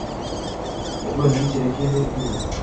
Oʻgʻlim, men sen aytganday qildim.